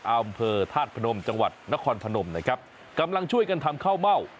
อำเภอธาตุพนมจังหวัดนครพนมนะครับกำลังช่วยกันทำข้าวเม่า